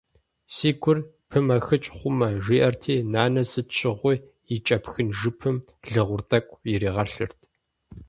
Си гур пымэхыкӏ хъумэ, жиӏэрти, нанэ сыт щыгъуи и кӏэпхын жыпым лыгъур тӏэкӏу иригъэлъырт.